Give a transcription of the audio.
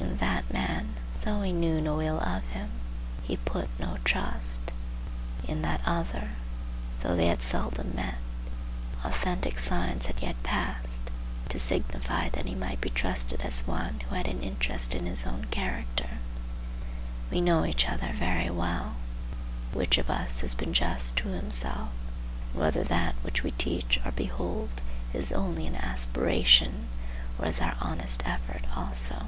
In that man, though he knew no ill of him, he put no trust. In that other, though they had seldom met, authentic signs had yet passed, to signify that he might be trusted as one who had an interest in his own character. We know each other very well,—which of us has been just to himself and whether that which we teach or behold is only an aspiration or is our honest effort also.